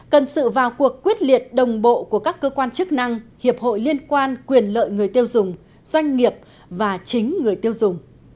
cần sự vào cuộc quyết liệt đồng bộ của các cơ quan chức năng hiệp hội liên quan quyền lợi người tiêu dùng doanh nghiệp và chính người tiêu dùng